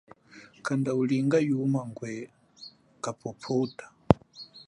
Kanda ulinga yuma ngwe kaphuphuta.